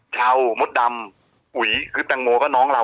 เช่ามดดำถือของปังโมก็น้องเรา